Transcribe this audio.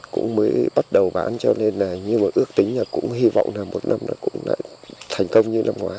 cũng mới bắt đầu bán cho nên là như mà ước tính là cũng hy vọng là một năm cũng lại thành công như năm ngoái